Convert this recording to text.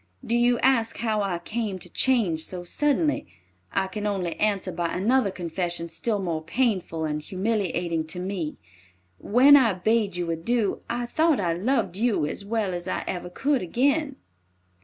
"Do you ask how I came to change so suddenly? I can only answer by another confession still more painful and humiliating to me. When I bade you adieu, I thought I loved you as well as I ever could again.